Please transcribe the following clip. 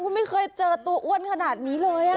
ไม่เคยเจอตัวอ้วนขนาดนี้เลย